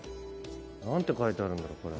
何て書いてあるんだろうこれ。